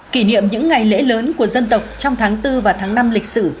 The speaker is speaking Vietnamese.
kỷ niệm những ngày lễ lớn của dân tộc trong tháng bốn và tháng năm lịch sử